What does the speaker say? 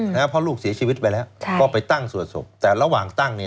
อืมนะฮะพ่อลูกเสียชีวิตไปแล้วใช่ก็ไปตั้งสวดศพแต่ระหว่างตั้งนี่